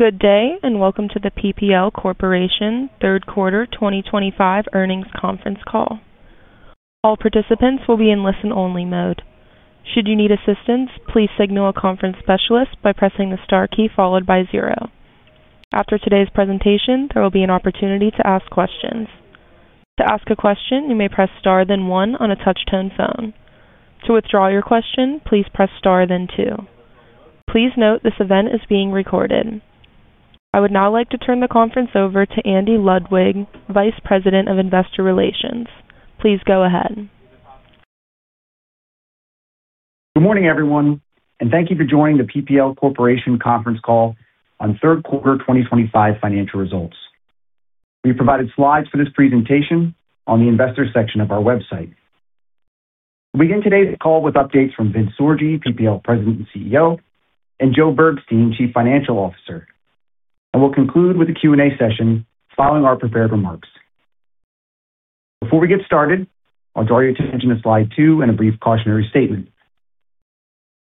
Good day and welcome to the PPL Corporation third quarter 2025 earnings conference call. All participants will be in listen-only mode. Should you need assistance, please signal a conference specialist by pressing the star key followed by zero. After today's presentation, there will be an opportunity to ask questions. To ask a question, you may press star then one on a touch-tone phone. To withdraw your question, please press star then two. Please note this event is being recorded. I would now like to turn the conference over to Andy Ludwig, Vice President of Investor Relations. Please go ahead. Good morning, everyone, and thank you for joining the PPL Corporation conference call on third quarter 2025 financial results. We have provided slides for this presentation on the investor section of our website. We will begin today's call with updates from Vince Sorgi, PPL President and CEO, and Joe Bergstein, Chief Financial Officer, and we will conclude with a Q&A session following our prepared remarks. Before we get started, I will draw your attention to slide two and a brief cautionary statement.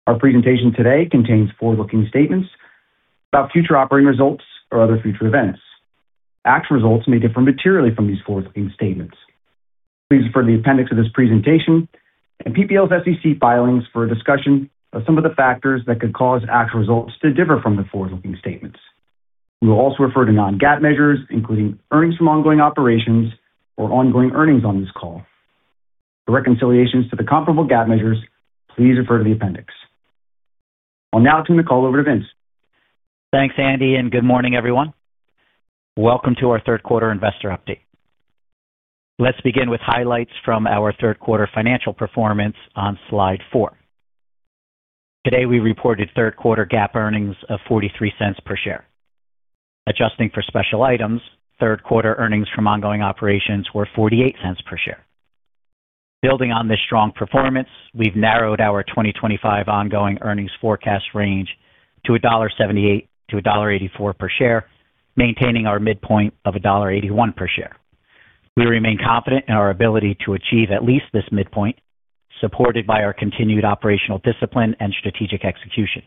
Our presentation today contains forward-looking statements about future operating results or other future events. Actual results may differ materially from these forward-looking statements. Please refer to the appendix of this presentation and PPL's SEC filings for a discussion of some of the factors that could cause actual results to differ from the forward-looking statements. We will also refer to non-GAAP measures, including earnings from ongoing operations or ongoing earnings on this call. For reconciliations to the comparable GAAP measures, please refer to the appendix. I'll now turn the call over to Vince. Thanks, Andy, and good morning, everyone. Welcome to our third-quarter investor update. Let's begin with highlights from our third-quarter financial performance on slide four. Today, we reported third-quarter GAAP earnings of $0.43 per share. Adjusting for special items, third-quarter earnings from ongoing operations were $0.48 per share. Building on this strong performance, we've narrowed our 2025 ongoing earnings forecast range to $1.78-$1.84 per share, maintaining our midpoint of $1.81 per share. We remain confident in our ability to achieve at least this midpoint, supported by our continued operational discipline and strategic execution.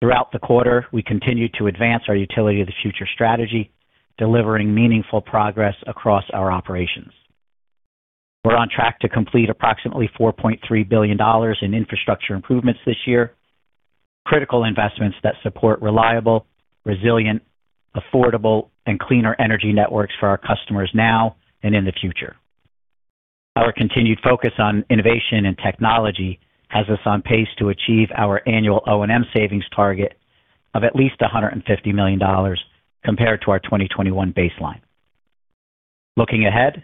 Throughout the quarter, we continued to advance our utility-to-the-future strategy, delivering meaningful progress across our operations. We're on track to complete approximately $4.3 billion in infrastructure improvements this year, critical investments that support reliable, resilient, affordable, and cleaner energy networks for our customers now and in the future. Our continued focus on innovation and technology has us on pace to achieve our annual O&M savings target of at least $150 million compared to our 2021 baseline. Looking ahead,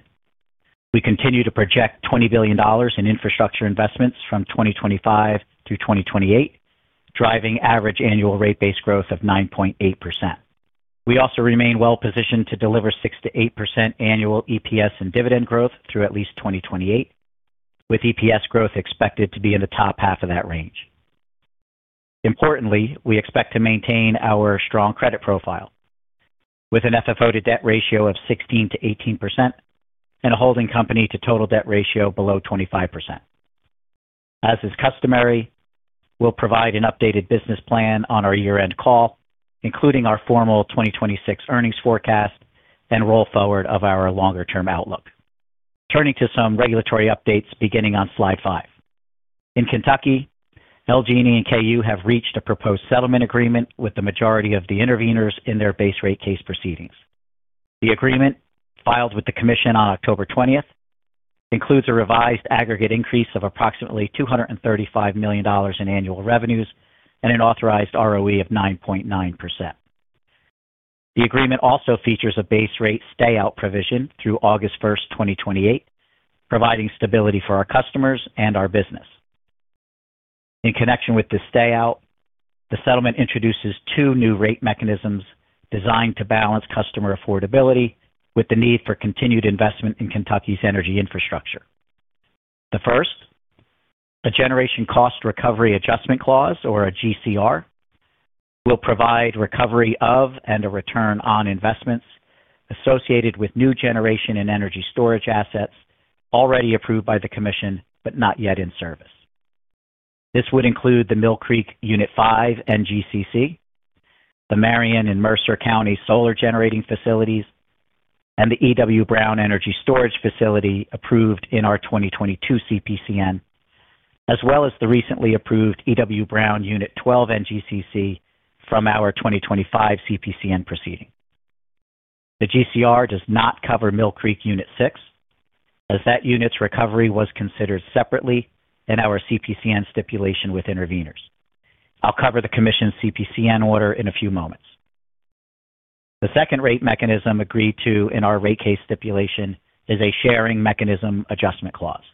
we continue to project $20 billion in infrastructure investments from 2025 through 2028, driving average annual rate-based growth of 9.8%. We also remain well-positioned to deliver 6%-8% annual EPS and dividend growth through at least 2028, with EPS growth expected to be in the top half of that range. Importantly, we expect to maintain our strong credit profile, with an FFO to debt ratio of 16%-18% and a holding company to total debt ratio below 25%. As is customary, we'll provide an updated business plan on our year-end call, including our formal 2026 earnings forecast and roll forward of our longer-term outlook. Turning to some regulatory updates beginning on slide five. In Kentucky, LG&E and KU have reached a proposed settlement agreement with the majority of the intervenors in their base rate case proceedings. The agreement, filed with the Commission on October 20th, includes a revised aggregate increase of approximately $235 million in annual revenues and an authorized ROE of 9.9%. The agreement also features a base rate stay-out provision through August 1st, 2028, providing stability for our customers and our business. In connection with this stay-out, the settlement introduces two new rate mechanisms designed to balance customer affordability with the need for continued investment in Kentucky's energy infrastructure. The first, a generation cost recovery adjustment clause, or a GCR, will provide recovery of and a return on investments associated with new generation and energy storage assets already approved by the Commission but not yet in service. This would include the Mill Creek Unit 5 NGCC. The Marion and Mercer County solar generating facilities, and the E.W. Brown Energy Storage Facility approved in our 2022 CPCN, as well as the recently approved E.W. Brown Unit 12 NGCC from our 2025 CPCN proceeding. The GCR does not cover Mill Creek Unit 6, as that unit's recovery was considered separately in our CPCN stipulation with intervenors. I'll cover the Commission's CPCN order in a few moments. The second rate mechanism agreed to in our rate case stipulation is a sharing mechanism adjustment clause.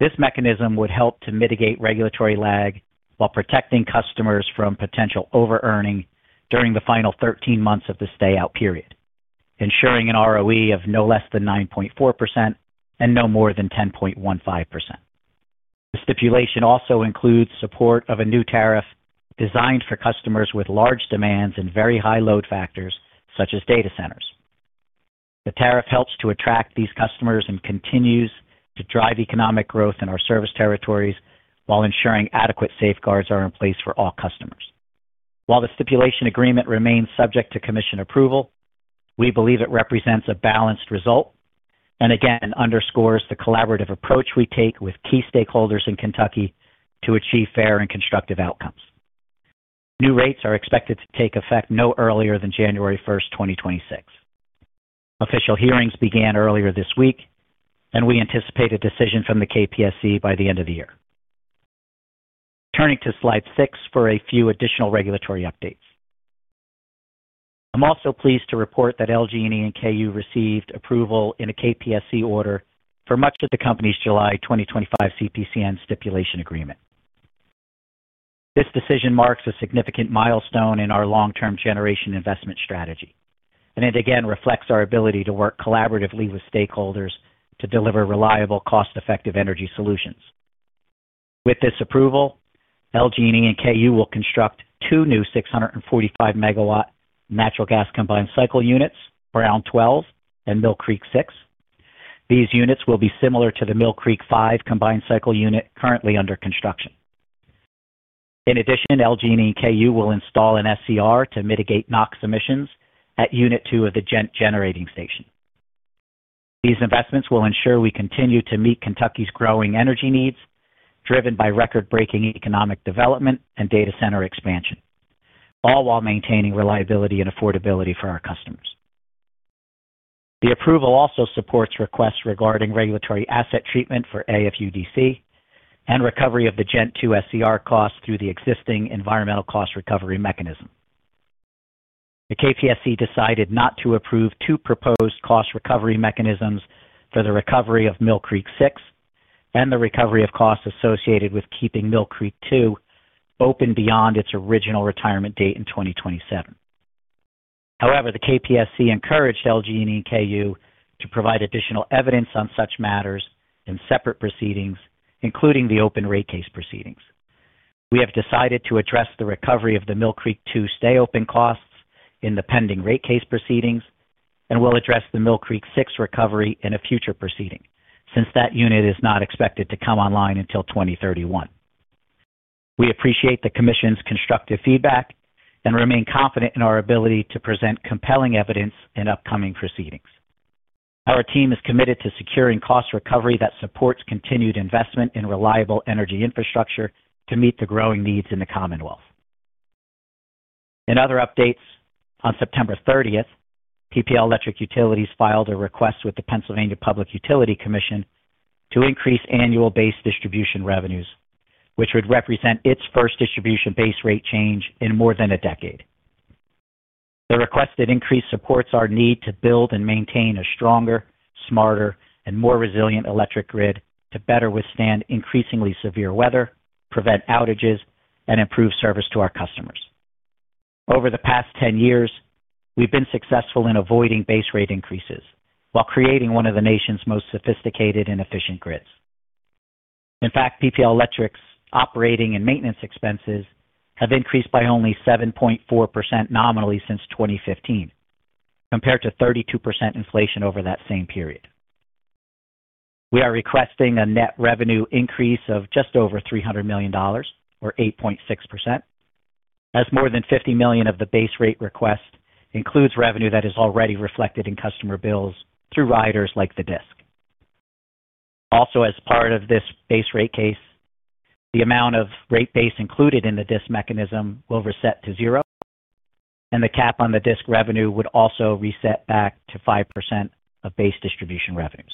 This mechanism would help to mitigate regulatory lag while protecting customers from potential over-earning during the final 13 months of the stay-out period, ensuring an ROE of no less than 9.4% and no more than 10.15%. The stipulation also includes support of a new tariff designed for customers with large demands and very high load factors such as data centers. The tariff helps to attract these customers and continues to drive economic growth in our service territories while ensuring adequate safeguards are in place for all customers. While the stipulation agreement remains subject to Commission approval, we believe it represents a balanced result. It again underscores the collaborative approach we take with key stakeholders in Kentucky to achieve fair and constructive outcomes. New rates are expected to take effect no earlier than January 1st, 2026. Official hearings began earlier this week, and we anticipate a decision from the KPSC by the end of the year. Turning to slide six for a few additional regulatory updates. I'm also pleased to report that LG&E and KU received approval in a KPSC order for much of the company's July 2025 CPCN stipulation agreement. This decision marks a significant milestone in our long-term generation investment strategy, and it again reflects our ability to work collaboratively with stakeholders to deliver reliable, cost-effective energy solutions. With this approval, LG&E and KU will construct two new 645 MW natural gas combined cycle units, Brown 12 and Mill Creek 6. These units will be similar to the Mill Creek 5 combined cycle unit currently under construction. In addition, LG&E and KU will install an SCR to mitigate NOx Emissions at Unit 2 of the Ghent Generating Station. These investments will ensure we continue to meet Kentucky's growing energy needs driven by record-breaking economic development and data center expansion, all while maintaining reliability and affordability for our customers. The approval also supports requests regarding regulatory asset treatment for AFUDC and recovery of the Ghent 2 SCR costs through the existing environmental cost recovery mechanism. The KPSC decided not to approve two proposed cost recovery mechanisms for the recovery of Mill Creek 6 and the recovery of costs associated with keeping Mill Creek 2 open beyond its original retirement date in 2027. However, the KPSC encouraged LG&E and KU to provide additional evidence on such matters in separate proceedings, including the open rate case proceedings. We have decided to address the recovery of the Mill Creek 2 stay-open costs in the pending rate case proceedings and will address the Mill Creek 6 recovery in a future proceeding since that unit is not expected to come online until 2031. We appreciate the Commission's constructive feedback and remain confident in our ability to present compelling evidence in upcoming proceedings. Our team is committed to securing cost recovery that supports continued investment in reliable energy infrastructure to meet the growing needs in the Commonwealth. In other updates, on September 30th, PPL Electric Utilities filed a request with the Pennsylvania Public Utility Commission to increase annual base distribution revenues, which would represent its first distribution base rate change in more than a decade. The requested increase supports our need to build and maintain a stronger, smarter, and more resilient electric grid to better withstand increasingly severe weather, prevent outages, and improve service to our customers. Over the past 10 years, we've been successful in avoiding base rate increases while creating one of the nation's most sophisticated and efficient grids. In fact, PPL Electric's operating and maintenance expenses have increased by only 7.4% nominally since 2015, compared to 32% inflation over that same period. We are requesting a net revenue increase of just over $300 million, or 8.6%. As more than $50 million of the base rate request includes revenue that is already reflected in customer bills through riders like the DSIC. Also, as part of this base rate case, the amount of rate base included in the DSIC mechanism will reset to zero, and the cap on the DSIC revenue would also reset back to 5% of base distribution revenues.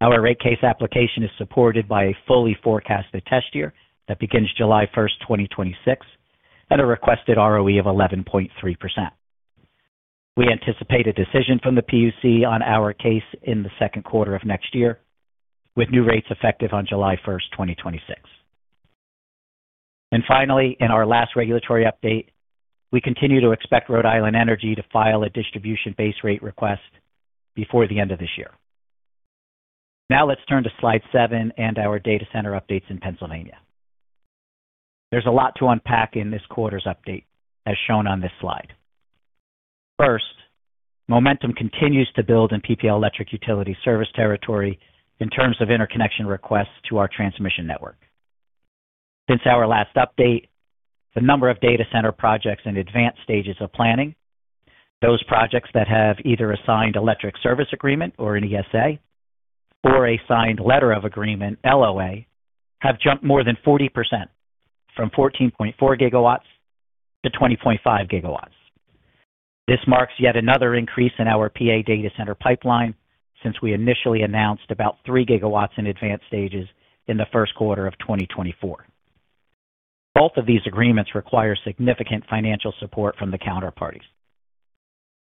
Our rate case application is supported by a fully forecasted test year that begins July 1st, 2026, and a requested ROE of 11.3%. We anticipate a decision from the PUC on our case in the second quarter of next year, with new rates effective on July 1st, 2026. Finally, in our last regulatory update, we continue to expect Rhode Island Energy to file a distribution base rate request before the end of this year. Now let's turn to slide seven and our data center updates in Pennsylvania. There's a lot to unpack in this quarter's update, as shown on this slide. First. Momentum continues to build in PPL Electric Utilities service territory in terms of interconnection requests to our transmission network. Since our last update, the number of data center projects in advanced stages of planning, those projects that have either a signed electric service agreement, or an ESA, or a signed letter of agreement, LOA, have jumped more than 40% from 14.4 GW to 20.5 GW. This marks yet another increase in our Pennsylvania data center pipeline since we initially announced about 3 GW in advanced stages in the first quarter of 2024. Both of these agreements require significant financial support from the counterparties.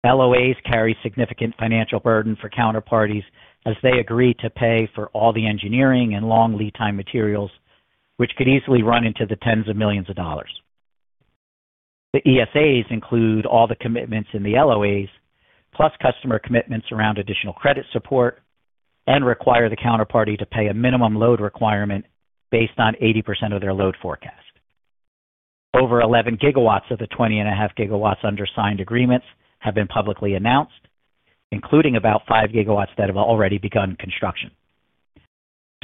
LOAs carry significant financial burden for counterparties as they agree to pay for all the engineering and long lead time materials, which could easily run into the tens of millions of dollars. The ESAs include all the commitments in the LOAs, plus customer commitments around additional credit support. They require the counterparty to pay a minimum load requirement based on 80% of their load forecast. Over 11 GW of the 20.5 GW under signed agreements have been publicly announced, including about 5 GW that have already begun construction.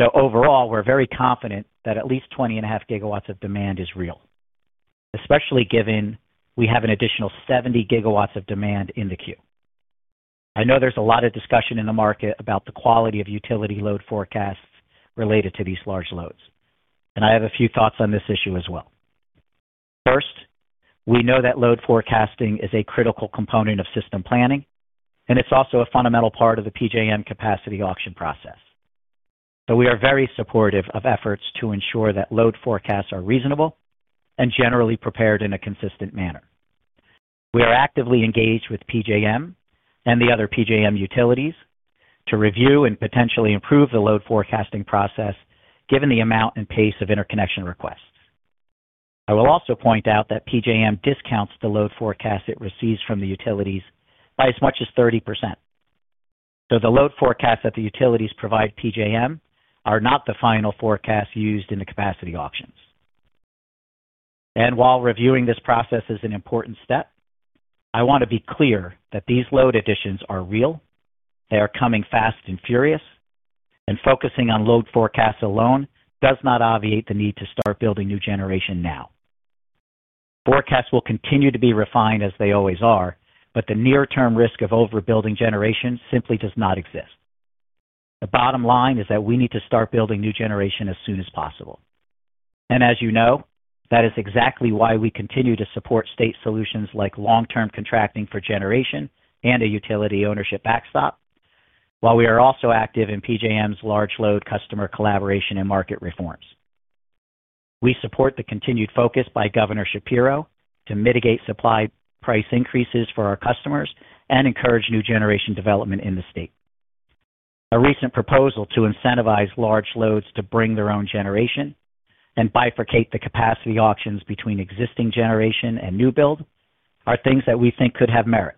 Overall, we're very confident that at least 20.5 GW of demand is real, especially given we have an additional 70 GW of demand in the queue. I know there's a lot of discussion in the market about the quality of utility load forecasts related to these large loads, and I have a few thoughts on this issue as well. First, we know that load forecasting is a critical component of system planning, and it's also a fundamental part of the PJM capacity auction process. We are very supportive of efforts to ensure that load forecasts are reasonable and generally prepared in a consistent manner. We are actively engaged with PJM and the other PJM utilities to review and potentially improve the load forecasting process given the amount and pace of interconnection requests. I will also point out that PJM discounts the load forecast it receives from the utilities by as much as 30%. So the load forecasts that the utilities provide PJM are not the final forecasts used in the capacity auctions. While reviewing this process is an important step, I want to be clear that these load additions are real, they are coming fast and furious, and focusing on load forecasts alone does not obviate the need to start building new generation now. Forecasts will continue to be refined as they always are, but the near-term risk of overbuilding generation simply does not exist. The bottom line is that we need to start building new generation as soon as possible. As you know, that is exactly why we continue to support state solutions like long-term contracting for generation and a utility ownership backstop, while we are also active in PJM's large load customer collaboration and market reforms. We support the continued focus by Governor Shapiro to mitigate supply price increases for our customers and encourage new generation development in the state. A recent proposal to incentivize large loads to bring their own generation and bifurcate the capacity auctions between existing generation and new build are things that we think could have merit.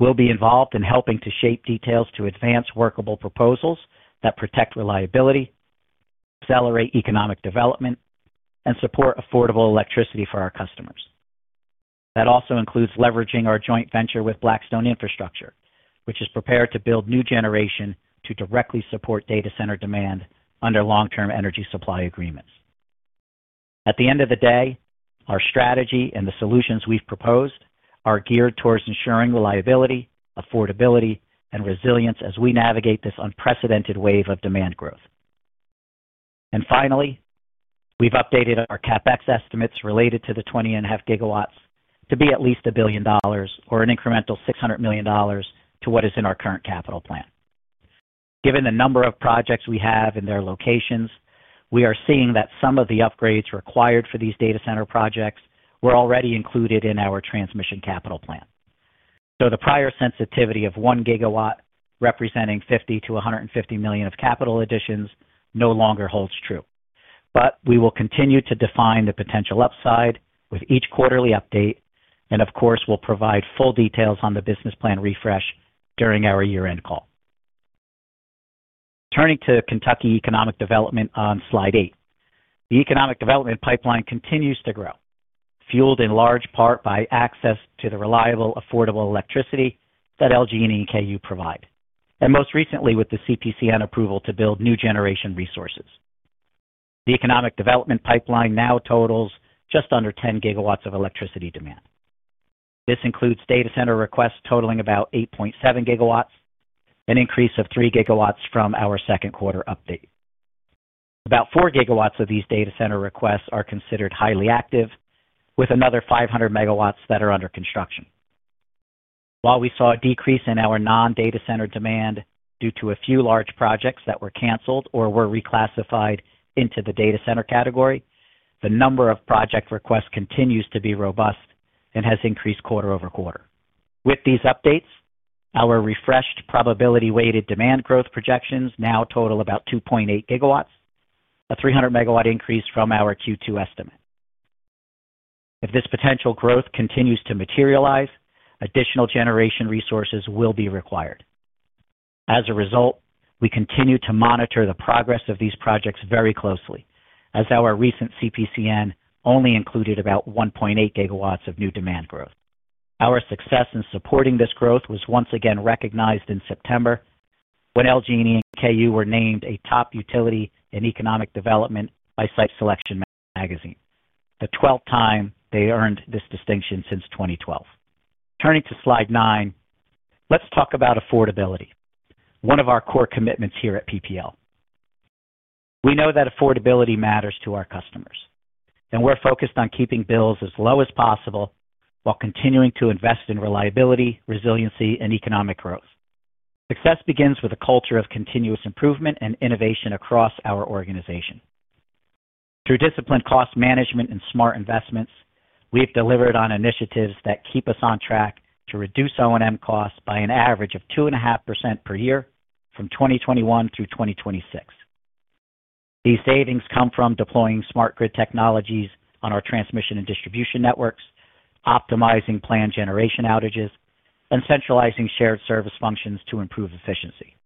We will be involved in helping to shape details to advance workable proposals that protect reliability, accelerate economic development, and support affordable electricity for our customers. That also includes leveraging our joint venture with Blackstone Infrastructure, which is prepared to build new generation to directly support data center demand under long-term energy supply agreements. At the end of the day, our strategy and the solutions we have proposed are geared towards ensuring reliability, affordability, and resilience as we navigate this unprecedented wave of demand growth. Finally, we have updated our CapEx estimates related to the 20.5 GW to be at least $1 billion or an incremental $600 million to what is in our current capital plan. Given the number of projects we have in their locations, we are seeing that some of the upgrades required for these data center projects were already included in our transmission capital plan. The prior sensitivity of 1 GW representing $50 million-$150 million of capital additions no longer holds true. We will continue to define the potential upside with each quarterly update and, of course, will provide full details on the business plan refresh during our year-end call. Turning to Kentucky economic development on slide eight, the economic development pipeline continues to grow, fueled in large part by access to the reliable, affordable electricity that LG&E and KU provide, and most recently with the CPCN approval to build new generation resources. The economic development pipeline now totals just under 10 GW of electricity demand. This includes data center requests totaling about 8.7 GW, an increase of 3 GW from our second quarter update. About 4 GW of these data center requests are considered highly active, with another 500 MW that are under construction. While we saw a decrease in our non-data center demand due to a few large projects that were canceled or were reclassified into the data center category, the number of project requests continues to be robust and has increased quarter-over-quarter. With these updates, our refreshed probability-weighted demand growth projections now total about 2.8 GW, a 300 megawatt increase from our Q2 estimate. If this potential growth continues to materialize, additional generation resources will be required. As a result, we continue to monitor the progress of these projects very closely, as our recent CPCN only included about 1.8 GW of new demand growth. Our success in supporting this growth was once again recognized in September, when LG&E and KU were named a top utility in economic development by Site Selection magazine, the 12th time they earned this distinction since 2012. Turning to slide nine, let's talk about affordability, one of our core commitments here at PPL. We know that affordability matters to our customers, and we're focused on keeping bills as low as possible while continuing to invest in reliability, resiliency, and economic growth. Success begins with a culture of continuous improvement and innovation across our organization. Through disciplined cost management and smart investments, we've delivered on initiatives that keep us on track to reduce O&M costs by an average of 2.5% per year from 2021 through 2026. These savings come from deploying smart grid technologies on our transmission and distribution networks, optimizing planned generation outages, and centralizing shared service functions to improve efficiency.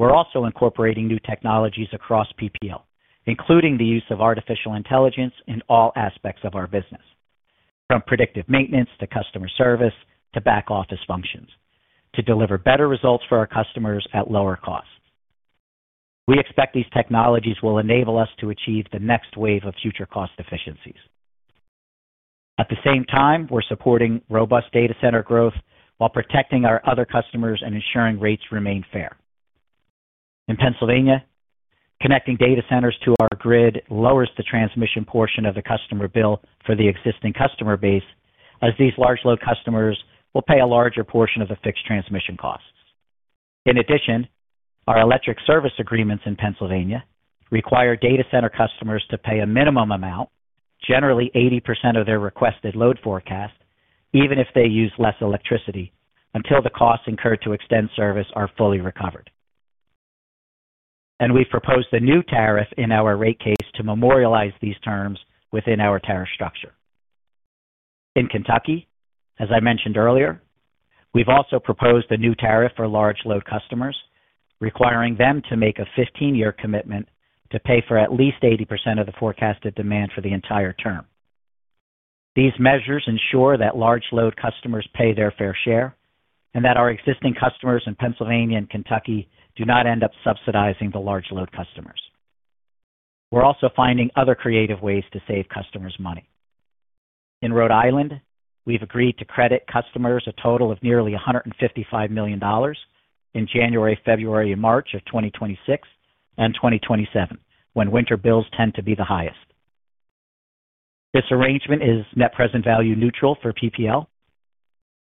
We're also incorporating new technologies across PPL, including the use of artificial intelligence in all aspects of our business, from predictive maintenance to customer service to back office functions, to deliver better results for our customers at lower cost. We expect these technologies will enable us to achieve the next wave of future cost efficiencies. At the same time, we're supporting robust data center growth while protecting our other customers and ensuring rates remain fair. In Pennsylvania, connecting data centers to our grid lowers the transmission portion of the customer bill for the existing customer base, as these large load customers will pay a larger portion of the fixed transmission costs. In addition, our electric service agreements in Pennsylvania require data center customers to pay a minimum amount, generally 80% of their requested load forecast, even if they use less electricity until the costs incurred to extend service are fully recovered. We have proposed a new tariff in our rate case to memorialize these terms within our tariff structure. In Kentucky, as I mentioned earlier, we have also proposed a new tariff for large load customers, requiring them to make a 15-year commitment to pay for at least 80% of the forecasted demand for the entire term. These measures ensure that large load customers pay their fair share and that our existing customers in Pennsylvania and Kentucky do not end up subsidizing the large load customers. We are also finding other creative ways to save customers money. In Rhode Island, we have agreed to credit customers a total of nearly $155 million. In January, February, and March of 2026 and 2027, when winter bills tend to be the highest. This arrangement is net present value neutral for PPL.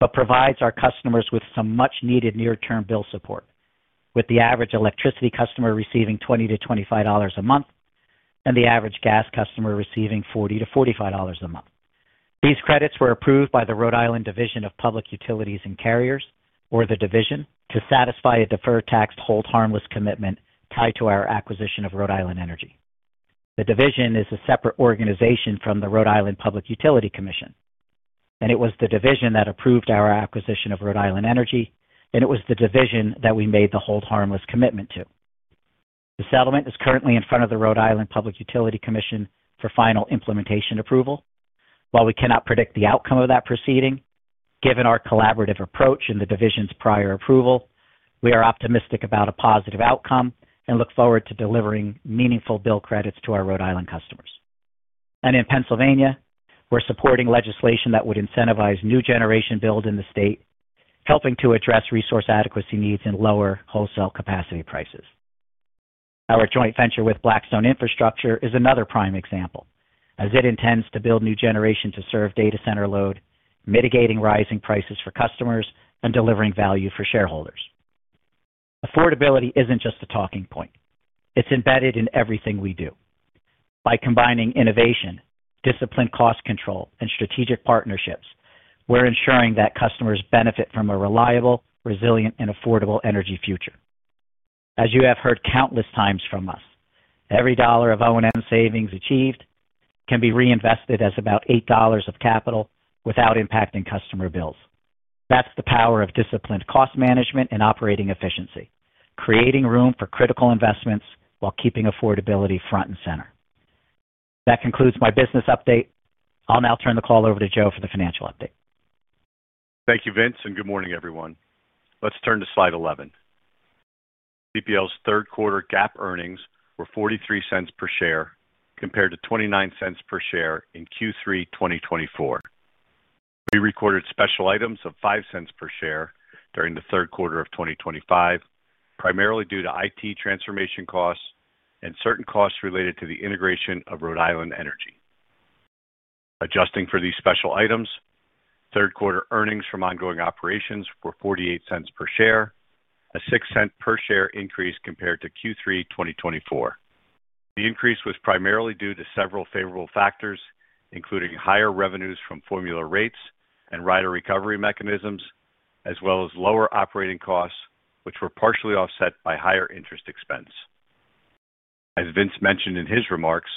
It provides our customers with some much-needed near-term bill support, with the average electricity customer receiving $20-$25 a month and the average gas customer receiving $40-$45 a month. These credits were approved by the Rhode Island Division of Public Utilities and Carriers, or the division, to satisfy a deferred tax hold harmless commitment tied to our acquisition of Rhode Island Energy. The division is a separate organization from the Rhode Island Public Utility Commission, and it was the division that approved our acquisition of Rhode Island Energy, and it was the division that we made the hold harmless commitment to. The settlement is currently in front of the Rhode Island Public Utility Commission for final implementation approval. While we cannot predict the outcome of that proceeding, given our collaborative approach and the division's prior approval, we are optimistic about a positive outcome and look forward to delivering meaningful bill credits to our Rhode Island customers. In Pennsylvania, we're supporting legislation that would incentivize new generation build in the state, helping to address resource adequacy needs and lower wholesale capacity prices. Our joint venture with Blackstone Infrastructure is another prime example, as it intends to build new generation to serve data center load, mitigating rising prices for customers and delivering value for shareholders. Affordability isn't just a talking point; it's embedded in everything we do. By combining innovation, disciplined cost control, and strategic partnerships, we're ensuring that customers benefit from a reliable, resilient, and affordable energy future. As you have heard countless times from us, every dollar of O&M savings achieved can be reinvested as about $8 of capital without impacting customer bills. That's the power of disciplined cost management and operating efficiency, creating room for critical investments while keeping affordability front and center. That concludes my business update. I'll now turn the call over to Joe for the financial update. Thank you, Vince, and good morning, everyone. Let's turn to slide 11. PPL's third quarter GAAP earnings were $0.43 per share compared to $0.29 per share in Q3 2024. We recorded special items of $0.05 per share during the third quarter of 2025, primarily due to IT transformation costs and certain costs related to the integration of Rhode Island Energy. Adjusting for these special items, third quarter earnings from ongoing operations were $0.48 per share, a $0.06 per share increase compared to Q3 2024. The increase was primarily due to several favorable factors, including higher revenues from formula rates and rider recovery mechanisms, as well as lower operating costs, which were partially offset by higher interest expense. As Vince mentioned in his remarks,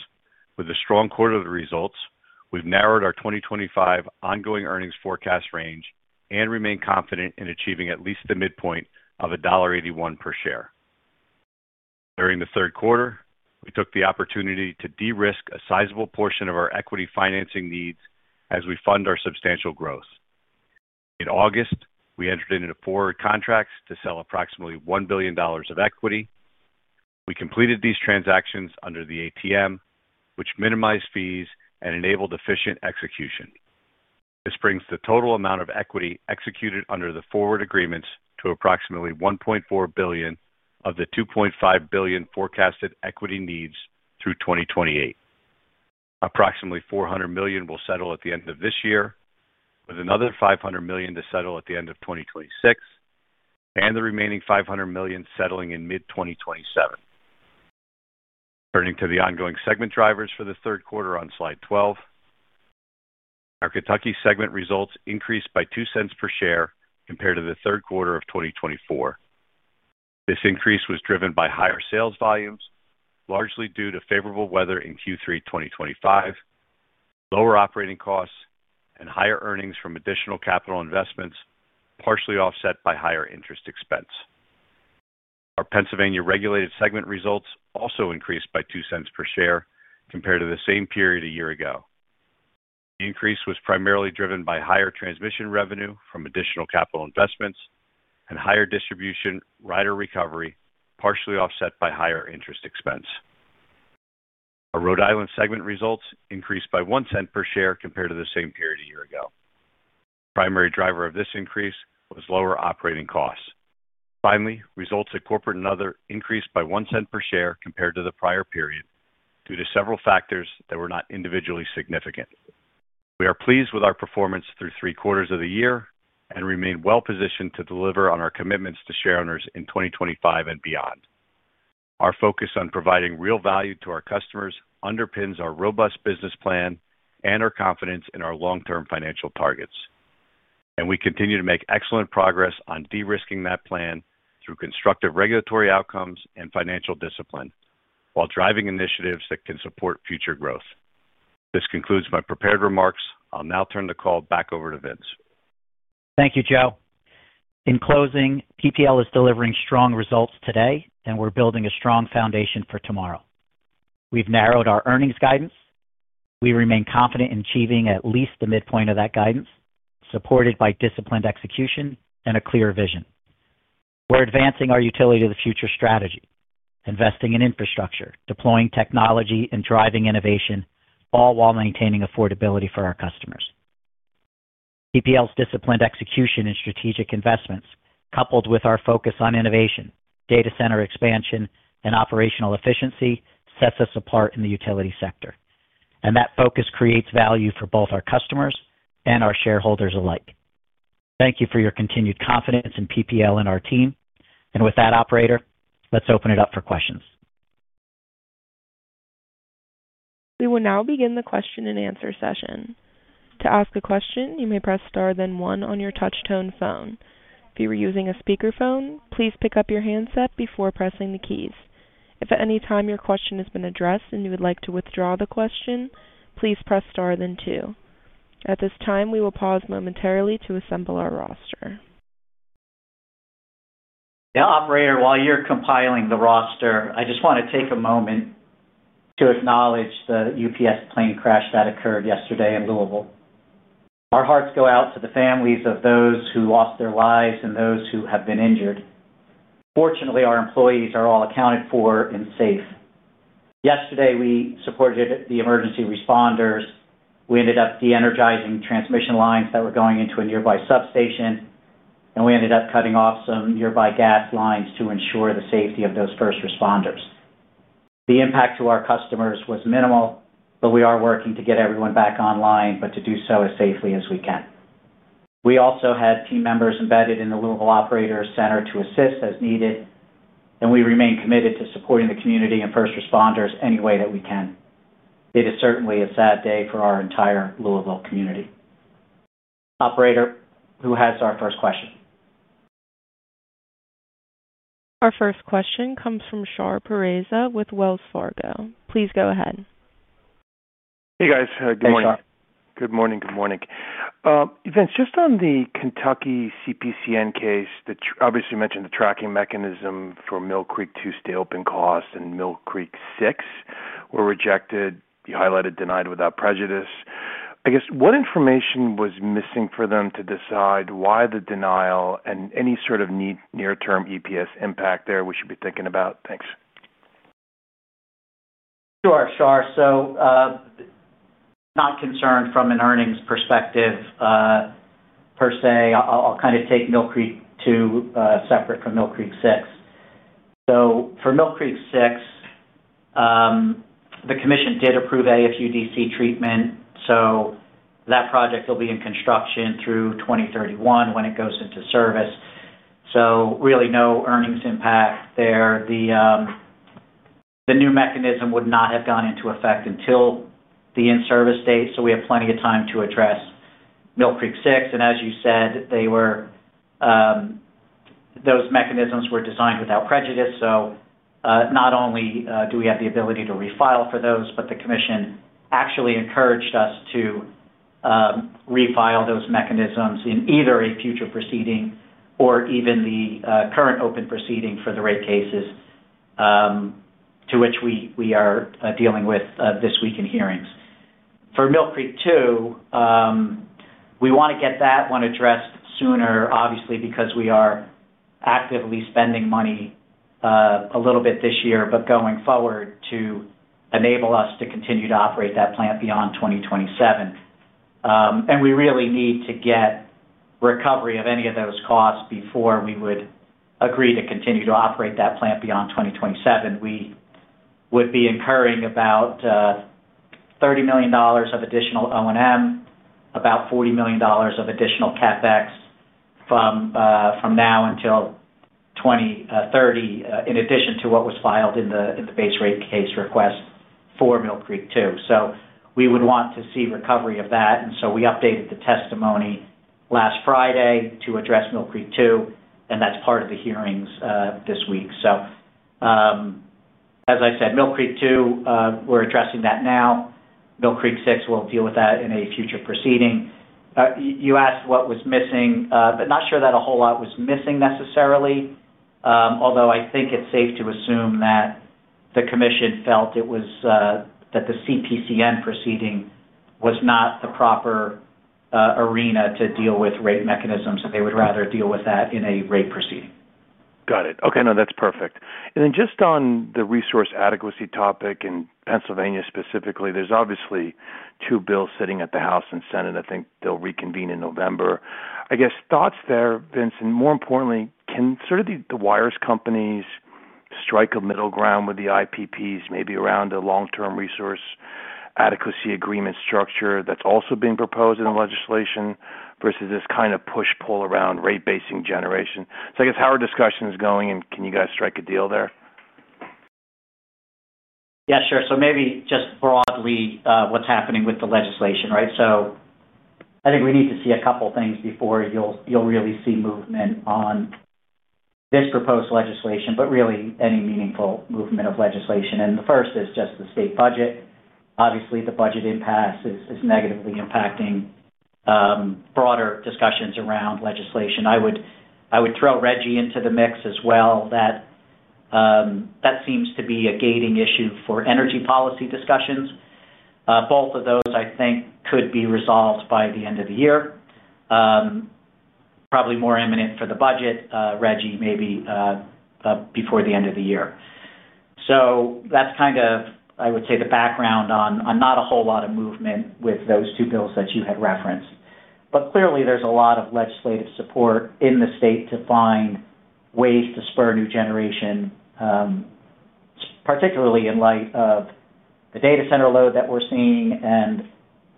with a strong quarter of the results, we've narrowed our 2025 ongoing earnings forecast range and remain confident in achieving at least the midpoint of $1.81 per share. During the third quarter, we took the opportunity to de-risk a sizable portion of our equity financing needs as we fund our substantial growth. In August, we entered into forward contracts to sell approximately $1 billion of equity. We completed these transactions under the ATM, which minimized fees and enabled efficient execution. This brings the total amount of equity executed under the forward agreements to approximately $1.4 billion of the $2.5 billion forecasted equity needs through 2028. Approximately $400 million will settle at the end of this year, with another $500 million to settle at the end of 2026. The remaining $500 million settling in mid-2027. Turning to the ongoing segment drivers for the third quarter on slide 12. Our Kentucky segment results increased by $0.02 per share compared to the third quarter of 2024. This increase was driven by higher sales volumes, largely due to favorable weather in Q3 2025. Lower operating costs, and higher earnings from additional capital investments, partially offset by higher interest expense. Our Pennsylvania regulated segment results also increased by $0.02 per share compared to the same period a year ago. The increase was primarily driven by higher transmission revenue from additional capital investments and higher distribution rider recovery, partially offset by higher interest expense. Our Rhode Island segment results increased by $0.01 per share compared to the same period a year ago. The primary driver of this increase was lower operating costs. Finally, results at corporate and other increased by $0.01 per share compared to the prior period due to several factors that were not individually significant. We are pleased with our performance through three quarters of the year and remain well-positioned to deliver on our commitments to share owners in 2025 and beyond. Our focus on providing real value to our customers underpins our robust business plan and our confidence in our long-term financial targets. We continue to make excellent progress on de-risking that plan through constructive regulatory outcomes and financial discipline while driving initiatives that can support future growth. This concludes my prepared remarks. I'll now turn the call back over to Vince. Thank you, Joe. In closing, PPL is delivering strong results today, and we're building a strong foundation for tomorrow. We've narrowed our earnings guidance. We remain confident in achieving at least the midpoint of that guidance, supported by disciplined execution and a clear vision. We're advancing our utility to the future strategy, investing in infrastructure, deploying technology, and driving innovation, all while maintaining affordability for our customers. PPL's disciplined execution and strategic investments, coupled with our focus on innovation, data center expansion, and operational efficiency, set us apart in the utility sector. That focus creates value for both our customers and our shareholders alike. Thank you for your continued confidence in PPL and our team. With that, operator, let's open it up for questions. We will now begin the question-and-answer session. To ask a question, you may press star then one on your touch-tone phone. If you are using a speakerphone, please pick up your handset before pressing the keys. If at any time your question has been addressed and you would like to withdraw the question, please press star then two. At this time, we will pause momentarily to assemble our roster. Now, operator, while you are compiling the roster, I just want to take a moment to acknowledge the UPS plane crash that occurred yesterday in Louisville. Our hearts go out to the families of those who lost their lives and those who have been injured. Fortunately, our employees are all accounted for and safe. Yesterday, we supported the emergency responders. We ended up de-energizing transmission lines that were going into a nearby substation, and we ended up cutting off some nearby gas lines to ensure the safety of those first responders. The impact to our customers was minimal, but we are working to get everyone back online, but to do so as safely as we can. We also had team members embedded in the Louisville operator center to assist as needed, and we remain committed to supporting the community and first responders any way that we can. It is certainly a sad day for our entire Louisville community. Operator, who has our first question? Our first question comes from Shar Pourreza with Wells Fargo. Please go ahead. Hey, guys. Good morning. Hey, Shar. Good morning. Good morning. Vince, just on the Kentucky CPCN case, obviously you mentioned the tracking mechanism for Mill Creek 2's stay-open cost and Mill Creek 6 were rejected. You highlighted denied without prejudice. I guess, what information was missing for them to decide why the denial and any sort of near-term EPS impact there we should be thinking about? Thanks. Sure, Shar. Not concerned from an earnings perspective per se. I'll kind of take Mill Creek 2 separate from Mill Creek 6. For Mill Creek 6, the commission did approve AFUDC treatment, so that project will be in construction through 2031 when it goes into service. Really no earnings impact there. The new mechanism would not have gone into effect until the in-service date, so we have plenty of time to address Mill Creek 6. As you said, those mechanisms were designed without prejudice. Not only do we have the ability to refile for those, but the commission actually encouraged us to refile those mechanisms in either a future proceeding or even the current open proceeding for the rate cases to which we are dealing with this week in hearings for Mill Creek 2. We want to get that one addressed sooner, obviously, because we are actively spending money, a little bit this year, but going forward to enable us to continue to operate that plant beyond 2027. We really need to get recovery of any of those costs before we would agree to continue to operate that plant beyond 2027. We would be incurring about $30 million of additional O&M, about $40 million of additional CapEx from now until 2030, in addition to what was filed in the base rate case request for Mill Creek 2. We would want to see recovery of that. We updated the testimony last Friday to address Mill Creek 2, and that's part of the hearings this week. As I said, Mill Creek 2, we're addressing that now. Mill Creek 6, we'll deal with that in a future proceeding. You asked what was missing. I'm not sure that a whole lot was missing necessarily, although I think it's safe to assume that the commission felt it was that the CPCN proceeding was not the proper arena to deal with rate mechanisms, and they would rather deal with that in a rate proceeding. Got it. Okay. No, that's perfect. And then just on the resource adequacy topic in Pennsylvania specifically, there's obviously two bills sitting at the House and Senate. I think they'll reconvene in November. I guess, thoughts there, Vince, and more importantly, can sort of the wires companies strike a middle ground with the IPPs, maybe around a long-term resource adequacy agreement structure that's also being proposed in the legislation versus this kind of push-pull around rate-basing generation? I guess, how are discussions going, and can you guys strike a deal there? Yeah, sure. Maybe just broadly, what's happening with the legislation, right? I think we need to see a couple of things before you'll really see movement on this proposed legislation, but really any meaningful movement of legislation. The first is just the state budget. Obviously, the budget impasse is negatively impacting broader discussions around legislation. I would throw Reggie into the mix as well. That seems to be a gating issue for energy policy discussions. Both of those, I think, could be resolved by the end of the year. Probably more imminent for the budget, Reggie, maybe. Before the end of the year. That is kind of, I would say, the background on not a whole lot of movement with those two bills that you had referenced. Clearly, there is a lot of legislative support in the state to find ways to spur new generation. Particularly in light of the data center load that we are seeing and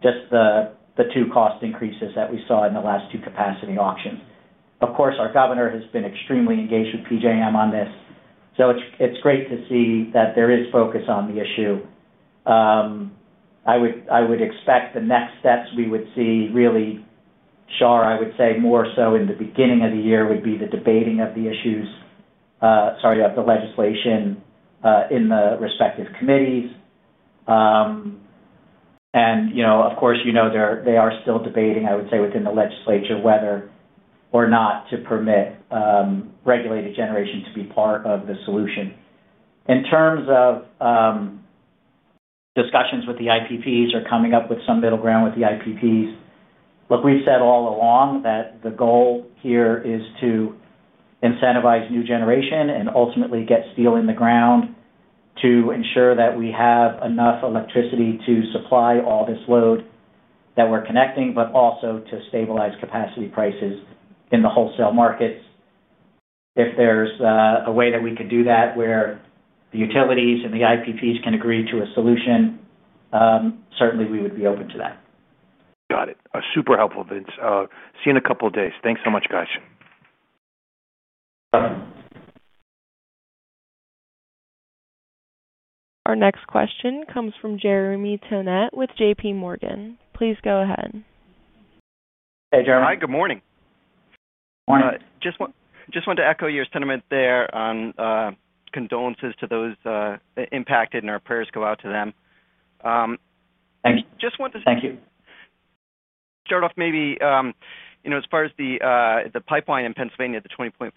just the two cost increases that we saw in the last two capacity auctions. Of course, our governor has been extremely engaged with PJM on this. It is great to see that there is focus on the issue. I would expect the next steps we would see, really, Shar, I would say, more so in the beginning of the year would be the debating of the issues. Sorry, of the legislation in the respective committees. Of course, you know they are still debating, I would say, within the legislature whether or not to permit regulated generation to be part of the solution. In terms of discussions with the IPPs or coming up with some middle ground with the IPPs, look, we've said all along that the goal here is to incentivize new generation and ultimately get steel in the ground to ensure that we have enough electricity to supply all this load that we're connecting, but also to stabilize capacity prices in the wholesale markets. If there's a way that we could do that where the utilities and the IPPs can agree to a solution, certainly, we would be open to that. Got it. Super helpful, Vince. See you in a couple of days. Thanks so much, guys. Awesome. Our next question comes from Jeremy Tonet with JPMorgan. Please go ahead. Hey, Jeremy. Good morning Hi. Morning. Just wanted to echo your sentiment there on. Condolences to those impacted, and our prayers go out to them. Thank you. Just wanted to. Thank you. Start off maybe. As far as the pipeline in Pennsylvania, the 20.5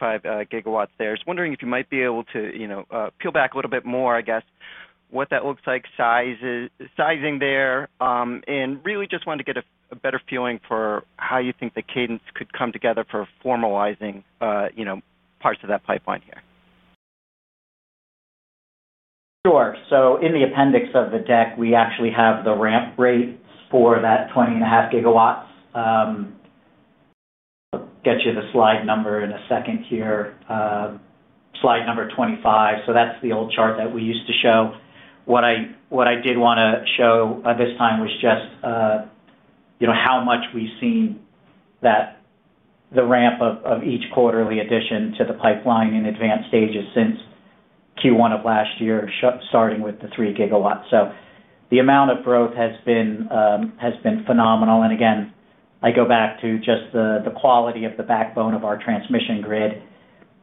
GW there. I was wondering if you might be able to peel back a little bit more, I guess, what that looks like, sizing there. And really just wanted to get a better feeling for how you think the cadence could come together for formalizing. Parts of that pipeline here. Sure. In the appendix of the deck, we actually have the ramp rates for that 20.5 GW. I'll get you the slide number in a second here. Slide number 25. That's the old chart that we used to show. What I did want to show this time was just how much we've seen that the ramp of each quarterly addition to the pipeline in advanced stages since Q1 of last year, starting with the 3 GW. The amount of growth has been phenomenal. I go back to just the quality of the backbone of our transmission grid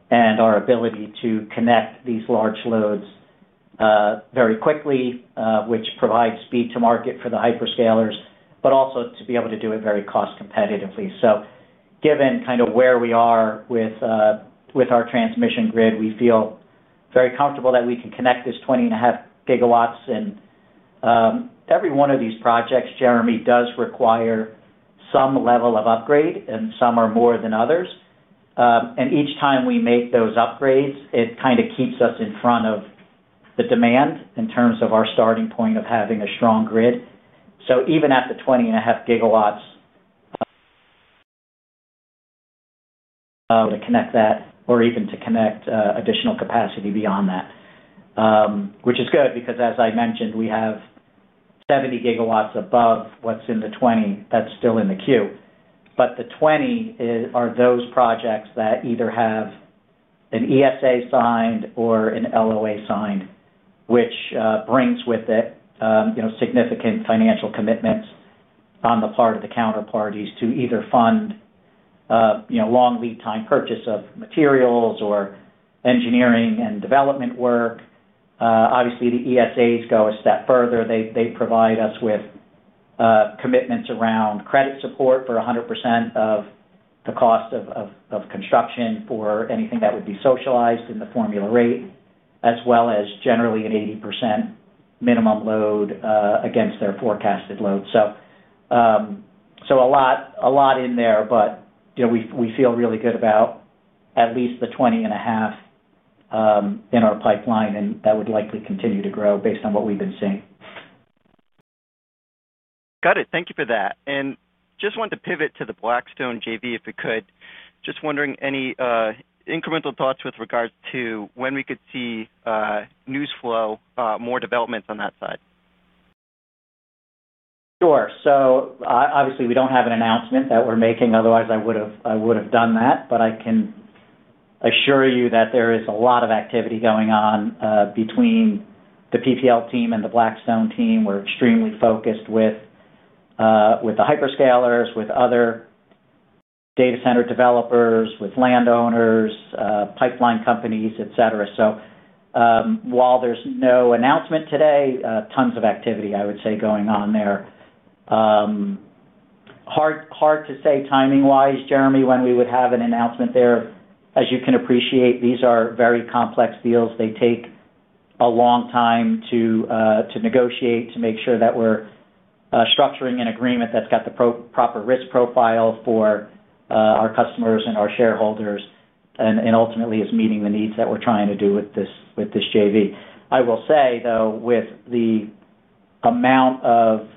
and our ability to connect these large loads very quickly, which provides speed to market for the hyperscalers, but also to be able to do it very cost-competitively. Given kind of where we are with our transmission grid, we feel very comfortable that we can connect this 20.5 GW. Every one of these projects, Jeremy, does require some level of upgrade, and some are more than others. Each time we make those upgrades, it kind of keeps us in front of the demand in terms of our starting point of having a strong grid. Even at the 20.5 GW, to connect that or even to connect additional capacity beyond that, which is good because, as I mentioned, we have 70 GW above what is in the 20 that is still in the queue. The 20 are those projects that either have an ESA signed or an LOA signed, which brings with it significant financial commitments on the part of the counterparties to either fund long lead-time purchase of materials or engineering and development work. Obviously, the ESAs go a step further. They provide us with. Commitments around credit support for 100% of the cost of construction for anything that would be socialized in the formula rate, as well as generally an 80% minimum load against their forecasted load. A lot in there, but we feel really good about at least the 20.5 in our pipeline, and that would likely continue to grow based on what we've been seeing. Got it. Thank you for that. I just wanted to pivot to the Blackstone JV, if we could. Just wondering, any incremental thoughts with regards to when we could see news flow, more developments on that side? Sure. Obviously, we do not have an announcement that we are making. Otherwise, I would have done that. I can assure you that there is a lot of activity going on between the PPL team and the Blackstone team. We are extremely focused with the hyperscalers, with other. Data center developers, with landowners, pipeline companies, etc. While there's no announcement today, tons of activity, I would say, going on there. Hard to say timing-wise, Jeremy, when we would have an announcement there. As you can appreciate, these are very complex deals. They take a long time to negotiate to make sure that we're structuring an agreement that's got the proper risk profile for our customers and our shareholders and ultimately is meeting the needs that we're trying to do with this JV. I will say, though, with the amount of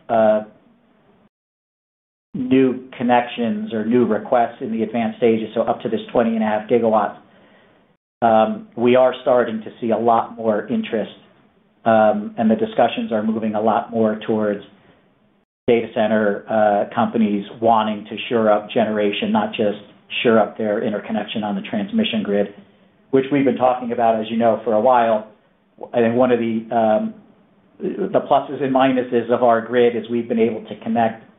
new connections or new requests in the advanced stages, so up to this 20.5 GW, we are starting to see a lot more interest. The discussions are moving a lot more towards. Data center companies wanting to shore up generation, not just shore up their interconnection on the transmission grid, which we've been talking about, as you know, for a while. I think one of the pluses and minuses of our grid is we've been able to connect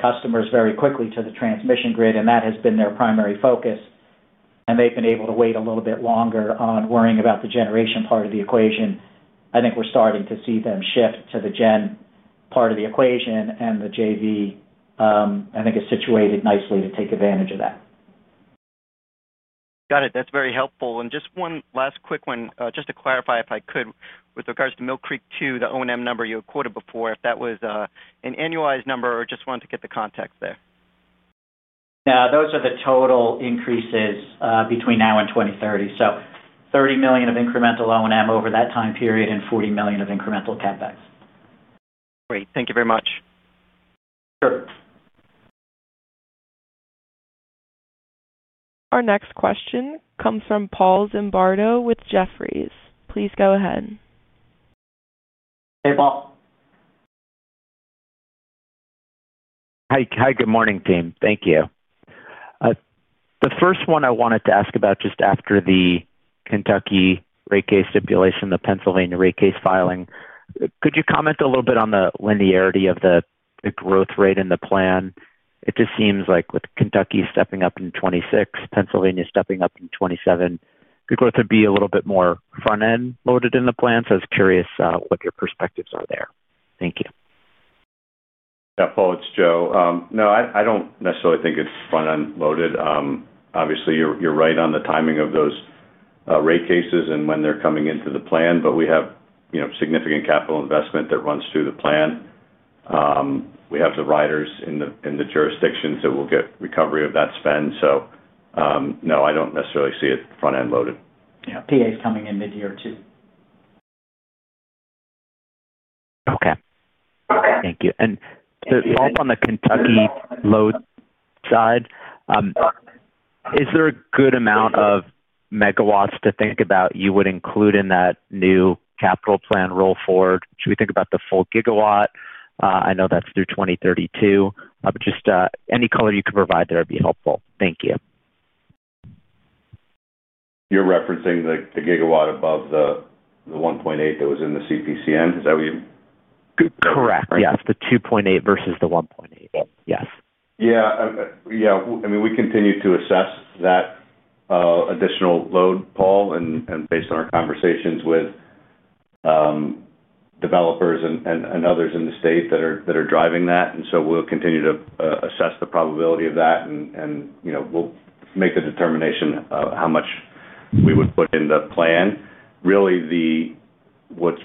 customers very quickly to the transmission grid, and that has been their primary focus. They've been able to wait a little bit longer on worrying about the generation part of the equation. I think we're starting to see them shift to the gen part of the equation, and the JV, I think, is situated nicely to take advantage of that. Got it. That's very helpful. Just one last quick one, just to clarify if I could, with regards to Mill Creek 2, the O&M number you quoted before, if that was an annualized number or just wanted to get the context there. Yeah. Those are the total increases between now and 2030. So $30 million of incremental O&M over that time period and $40 million of incremental CapEx. Great. Thank you very much. Sure. Our next question comes from Paul Zimbardo with Jefferies. Please go ahead. Hey, Paul. Hi. Good morning, team. Thank you. The first one I wanted to ask about just after the Kentucky rate case stipulation, the Pennsylvania rate case filing, could you comment a little bit on the linearity of the growth rate in the plan? It just seems like with Kentucky stepping up in 2026, Pennsylvania stepping up in 2027, could growth be a little bit more front-end loaded in the plan? I was curious what your perspectives are there. Thank you. Yeah. Paul, it's Joe. No, I don't necessarily think it's front-end loaded. Obviously, you're right on the timing of those. Rate cases and when they're coming into the plan, but we have significant capital investment that runs through the plan. We have the riders in the jurisdictions that will get recovery of that spend. No, I don't necessarily see it front-end loaded. Yeah. PA is coming in mid-year too. Okay. Thank you. Paul, on the Kentucky load side. Is there a good amount of megawatts to think about you would include in that new capital plan roll forward? Should we think about the full gigawatt? I know that's through 2032. Just any color you can provide there, it'd be helpful. Thank you. You're referencing the gigawatt above the 1.8 that was in the CPCN. Is that what you—correct. Yes. The 2.8 versus the 1.8. Yes. Yeah. I mean, we continue to assess that additional load, Paul, and based on our conversations with. Developers and others in the state that are driving that. We will continue to assess the probability of that, and we will make the determination of how much we would put in the plan. Really, what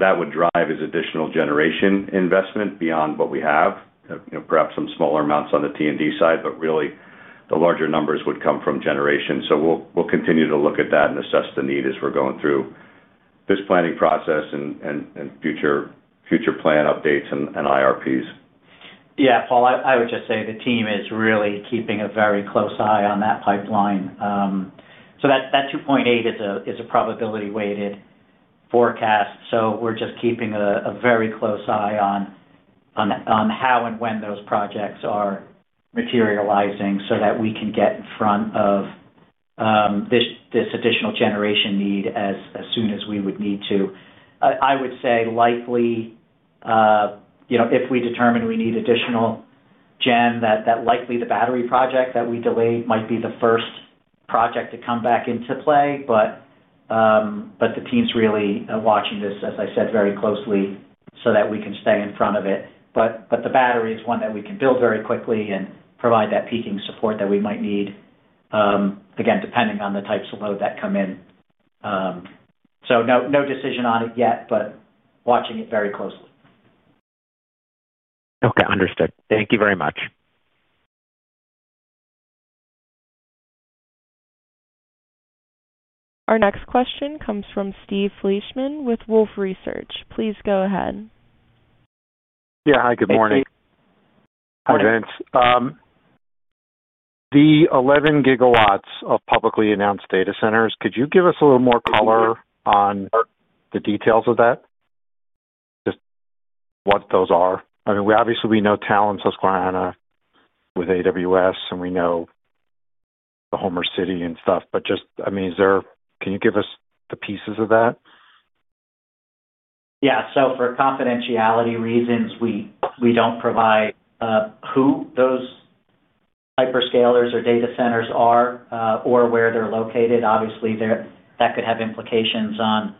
that would drive is additional generation investment beyond what we have, perhaps some smaller amounts on the T&D side, but really, the larger numbers would come from generation. We will continue to look at that and assess the need as we are going through this planning process and future plan updates and IRPs. Yeah, Paul, I would just say the team is really keeping a very close eye on that pipeline. That 2.8 is a probability-weighted forecast. We are just keeping a very close eye on how and when those projects are materializing so that we can get in front of this additional generation need as soon as we would need to. I would say, likely, if we determine we need additional gen, that likely the battery project that we delayed might be the first project to come back into play. The team's really watching this, as I said, very closely so that we can stay in front of it. The battery is one that we can build very quickly and provide that peaking support that we might need, again, depending on the types of load that come in. No decision on it yet, but watching it very closely. Okay. Understood. Thank you very much. Our next question comes from Steve Fleishman with Wolfe Research. Please go ahead. Yeah. Hi. Good morning. Hi, Vince. The 11 GW of publicly announced data centers, could you give us a little more color on the details of that? Just what those are. I mean, obviously, we know Talen Susquehanna with AWS, and we know the Homer City and stuff. Just, I mean, can you give us the pieces of that? Yeah. For confidentiality reasons, we do not provide who those hyperscalers or data centers are or where they are located. Obviously, that could have implications on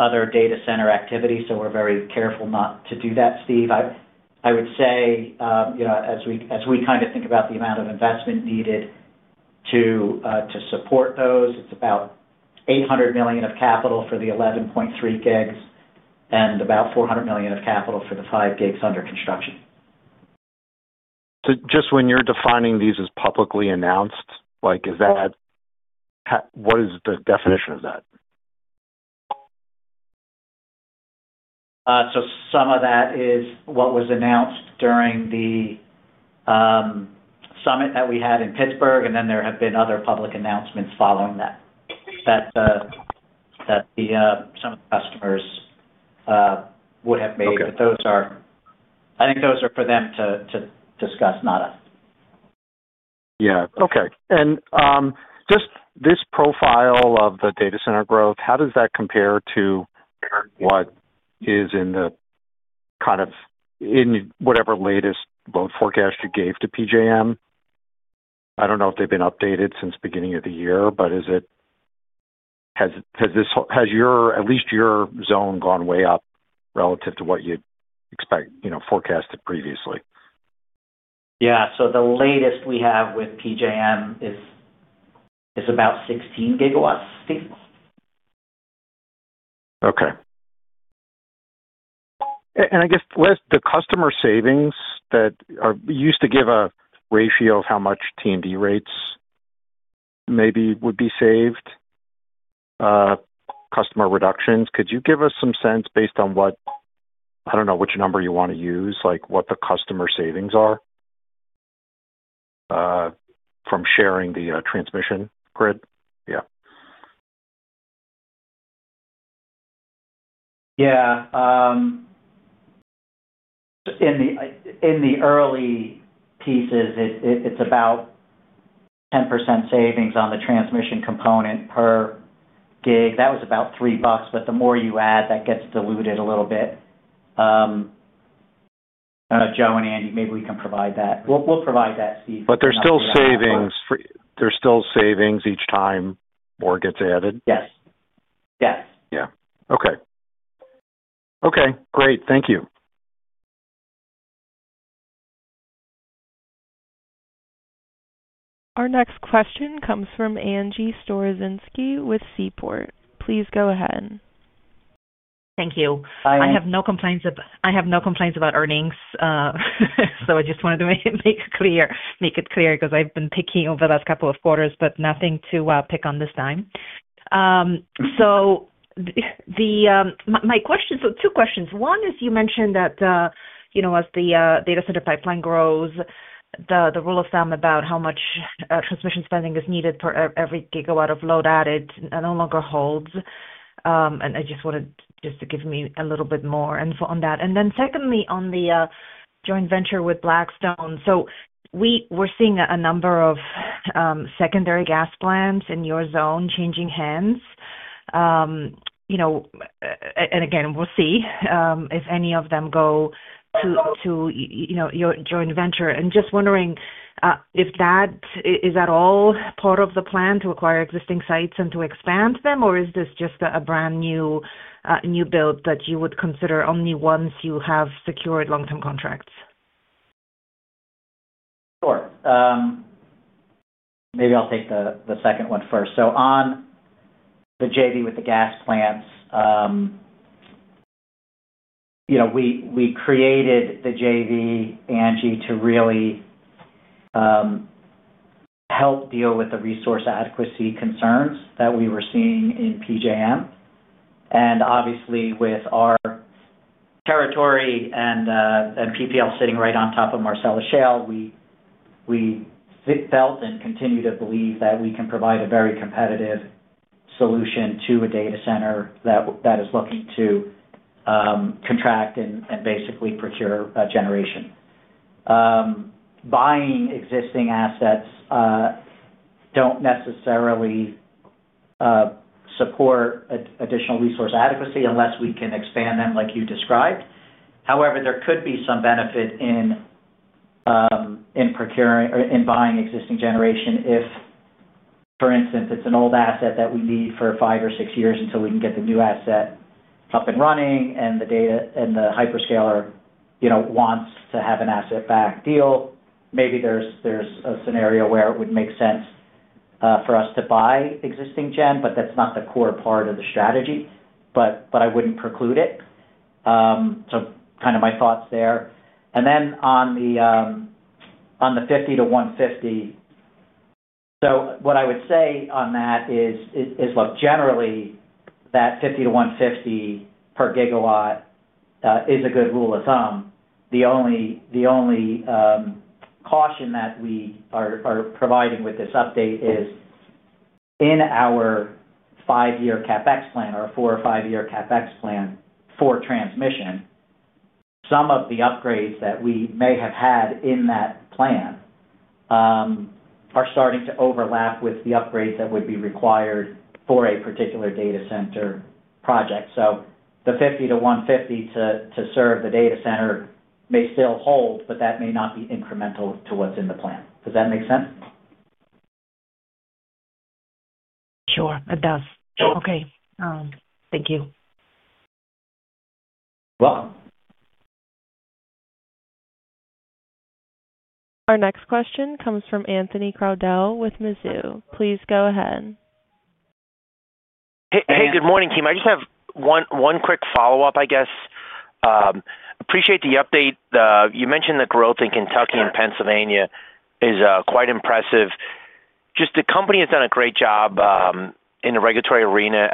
other data center activity. We are very careful not to do that, Steve. I would say as we kind of think about the amount of investment needed to support those, it is about $800 million of capital for the 11.3 GW and about $400 million of capital for the 5 GW under construction. When you are defining these as publicly announced, what is the definition of that? Some of that is what was announced during the summit that we had in Pittsburgh, and then there have been other public announcements following that. Some of the customers would have made, but those are, I think those are for them to discuss, not us. Yeah. Okay. Just this profile of the data center growth, how does that compare to what is in the kind of, whatever latest load forecast you gave to PJM? I do not know if they have been updated since the beginning of the year, but has at least your zone gone way up relative to what you would expect forecasted previously? Yeah. The latest we have with PJM is about 16 GW, Steve. Okay. I guess the customer savings that used to give a ratio of how much T&D rates maybe would be saved, customer reductions, could you give us some sense based on what—I do not know which number you want to use—what the customer savings are from sharing the transmission grid? Yeah. In the early pieces, it is about. 10% savings on the transmission component per gig. That was about $3. The more you add, that gets diluted a little bit. Joe and Andy, maybe we can provide that. We'll provide that, Steve. There are still savings. Each time more gets added? Yes. Yes. Yeah. Okay. Okay. Great. Thank you. Our next question comes from Angie Storozynski with Seaport. Please go ahead. Thank you. I have no complaints about earnings. I just wanted to make it clear because I've been picky over the last couple of quarters, but nothing to pick on this time. My question—two questions. One is you mentioned that as the data center pipeline grows, the rule of thumb about how much transmission spending is needed for every gigawatt of load added no longer holds. I just wanted you to give me a little bit more info on that. Secondly, on the joint venture with Blackstone, we're seeing a number of secondary gas plants in your zone changing hands. We'll see if any of them go to your joint venture. I'm just wondering if that is at all part of the plan to acquire existing sites and to expand them, or is this just a brand new build that you would consider only once you have secured long-term contracts? Maybe I'll take the second one first. On the JV with the gas plants, we created the JV, Angie, to really help deal with the resource adequacy concerns that we were seeing in PJM. Obviously, with our territory and PPL sitting right on top of Marcellus Shale, we felt and continue to believe that we can provide a very competitive solution to a data center that is looking to. Contract and basically procure generation. Buying existing assets does not necessarily support additional resource adequacy unless we can expand them like you described. However, there could be some benefit in buying existing generation if, for instance, it is an old asset that we need for five or six years until we can get the new asset up and running, and the data and the hyperscaler wants to have an asset-backed deal. Maybe there is a scenario where it would make sense for us to buy existing gen, but that is not the core part of the strategy. I would not preclude it. Those are kind of my thoughts there. On the 50-150, what I would say on that is, look, generally, that 50-150 per gigawatt is a good rule of thumb. The only caution that we are providing with this update is, In our five-year CapEx plan or four or five-year CapEx plan for transmission, some of the upgrades that we may have had in that plan are starting to overlap with the upgrades that would be required for a particular data center project. So the 50-150 to serve the data center may still hold, but that may not be incremental to what's in the plan. Does that make sense? Sure, it does. Okay. Thank you. Welcome. Our next question comes from Anthony Crowdell with Mizuho. Please go ahead. Hey. Good morning, team. I just have one quick follow-up, I guess. Appreciate the update. You mentioned the growth in Kentucky and Pennsylvania is quite impressive. Just the company has done a great job in the regulatory arena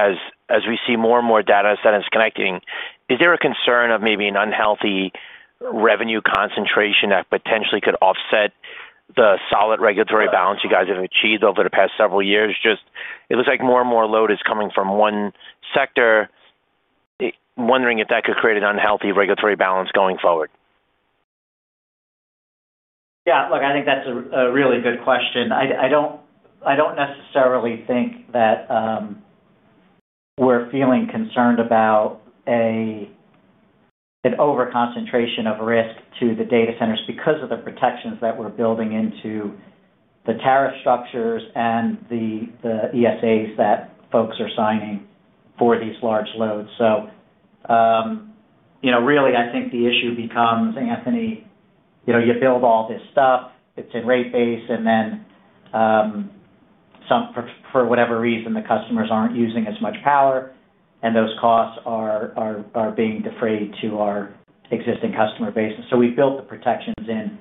as we see more and more data centers connecting. Is there a concern of maybe an unhealthy revenue concentration that potentially could offset the solid regulatory balance you guys have achieved over the past several years? Just it looks like more and more load is coming from one sector. Wondering if that could create an unhealthy regulatory balance going forward. Yeah. Look, I think that's a really good question. I don't necessarily think that. We're feeling concerned about an overconcentration of risk to the data centers because of the protections that we're building into the tariff structures and the ESAs that folks are signing for these large loads. Really, I think the issue becomes, Anthony, you build all this stuff, it's in rate base, and then for whatever reason, the customers aren't using as much power, and those costs are being defrayed to our existing customer base. And so we've built the protections in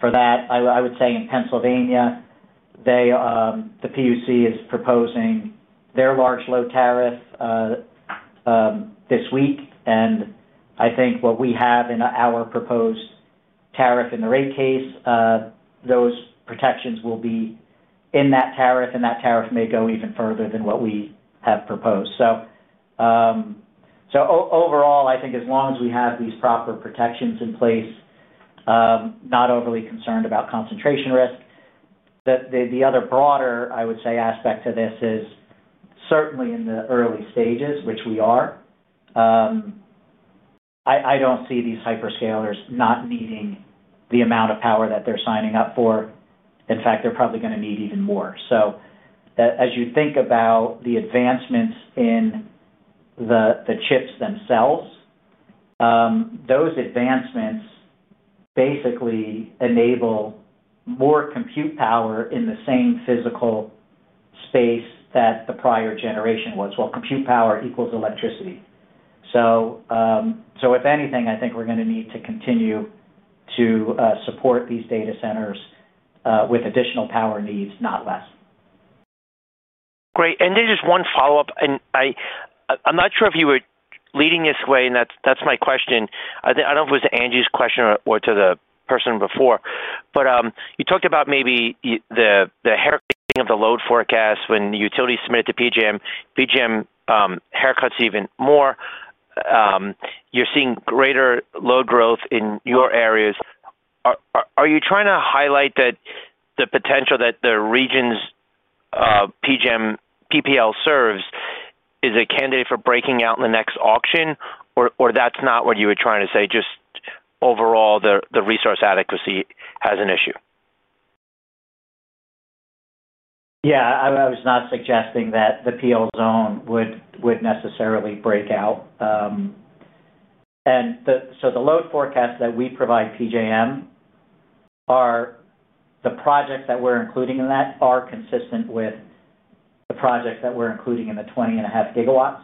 for that. I would say in Pennsylvania. The PUC is proposing their large load tariff this week. I think what we have in our proposed tariff in the rate case, those protections will be in that tariff, and that tariff may go even further than what we have proposed. Overall, I think as long as we have these proper protections in place, not overly concerned about concentration risk. The other broader, I would say, aspect to this is certainly in the early stages, which we are. I do not see these hyperscalers not needing the amount of power that they're signing up for. In fact, they're probably going to need even more. As you think about the advancements in the chips themselves, those advancements basically enable more compute power in the same physical space that the prior generation was. Compute power equals electricity. If anything, I think we're going to need to continue to support these data centers with additional power needs, not less. Great. There's just one follow-up. I'm not sure if you were leading this way, and that's my question. I don't know if it was to Angie's question or to the person before. You talked about maybe the haircut of the load forecast when the utilities submitted to PJM. PJM haircuts even more. You're seeing greater load growth in your areas. Are you trying to highlight that the potential that the regions PPL serves is a candidate for breaking out in the next auction, or that's not what you were trying to say? Just overall, the resource adequacy has an issue. Yeah. I was not suggesting that the PL zone would necessarily break out. The load forecasts that we provide PJM. Are the projects that we're including in that are consistent with the projects that we're including in the 20.5 GW.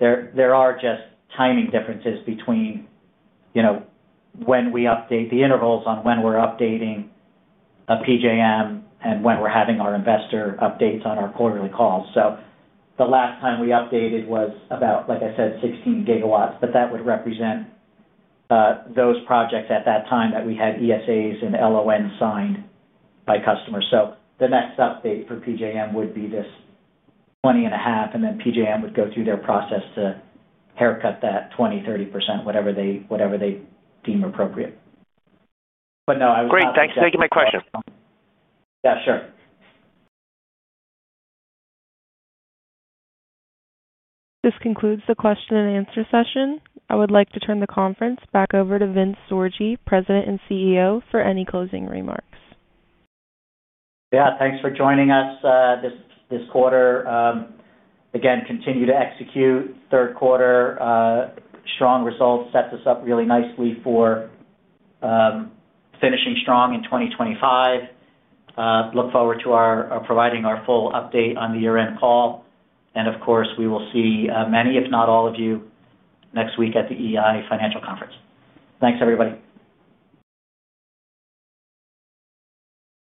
There are just timing differences between when we update the intervals on when we're updating PJM and when we're having our investor updates on our quarterly calls. The last time we updated was about, like I said, 16 GW. That would represent those projects at that time that we had ESAs and LOAs signed by customers. The next update for PJM would be this 20.5, and then PJM would go through their process to haircut that 20%-30%, whatever they deem appropriate. No, I was not. Great. Thank you. Thank you for my question. Yeah. Sure. This concludes the question and answer session. I would like to turn the conference back over to Vince Sorgi, President and CEO, for any closing remarks. Yeah. Thanks for joining us this quarter. Again, continue to execute. Third quarter strong results set us up really nicely for finishing strong in 2025. Look forward to providing our full update on the year-end call. Of course, we will see many, if not all of you, next week at the EEI Financial Conference. Thanks, everybody.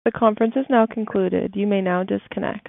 The conference is now concluded. You may now disconnect.